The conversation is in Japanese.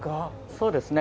そうですね。